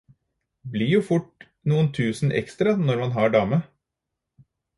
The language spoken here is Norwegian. Blir jo fort noen tusen ekstra når man har dame